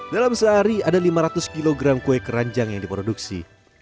dalam sehari ada lima ratus kg kue keranjang yang diproduksi